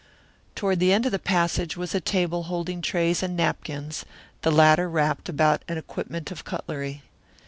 Toward the end of the passage was a table holding trays and napkins the latter wrapped about an equipment of cutlery.